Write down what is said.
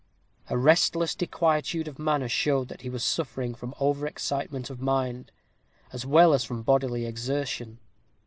A restless disquietude of manner showed that he was suffering from over excitement of mind, as well as from bodily exertion.